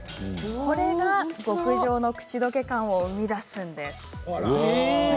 これが極上の口溶け感を生み出すんです。